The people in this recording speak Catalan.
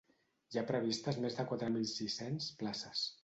Hi ha previstes més de quatre mil sis-cents places.